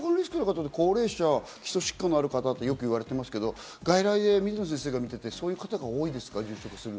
高齢者、基礎疾患のある方とよく言われますが、外来で水野先生が見ていてそういう方が多いですか？